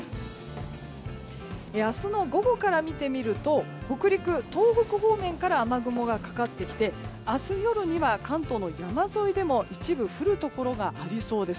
明日の午後から見てみると北陸、東北方面から雨雲がかかってきて明日夜には関東の山沿いでも一部降るところがありそうです。